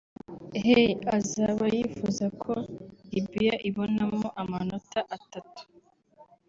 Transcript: Hey azaba yifuza ko Libya ibonamo amanota atatu